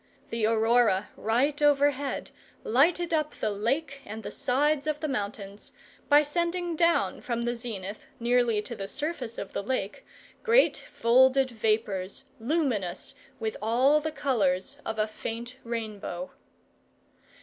The aurora, right overhead, lighted up the lake and the sides of the mountains, by sending down from the zenith, nearly to the surface of the lake, great folded vapours, luminous with all the colours of a faint rainbow.